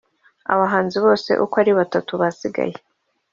abahanzi bose uko ari batatu basigaye